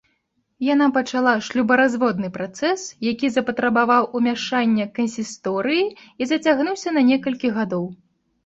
Яна пачала шлюбаразводны працэс, які запатрабаваў ўмяшання кансісторыі і зацягнуўся на некалькі гадоў.